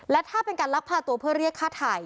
และถ้าเป็นการลักพาตัวเพื่อเรียกฆ่าไทย